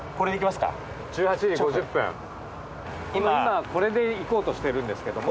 今これで行こうとしてるんですけども。